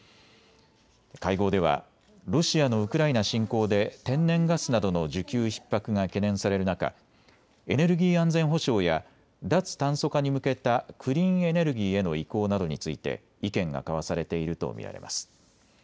会合ではロシアのウクライナ侵攻で天然ガスなどの需給ひっ迫が懸念される中、エネルギー安全保障や脱炭素化に向けたクリーンエネルギーへの移行などについて意見が交わされていると見られます。